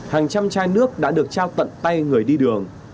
hàng trăm chai nước đã được trao tận tay người đi đường